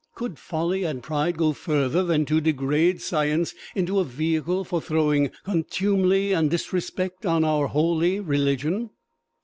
Could folly and pride go further than to degrade Science into a vehicle for throwing contumely and disrespect on our holy religion!"